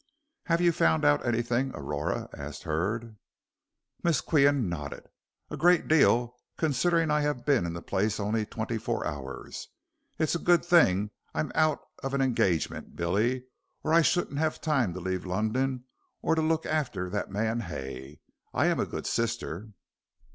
"Have you found out anything, Aurora?" asked Hurd. Miss Qian nodded. "A great deal considering I have been in the place only twenty four hours. It's a good thing I'm out of an engagement, Billy, or I shouldn't have time to leave London or to look after that man Hay. I am a good sister."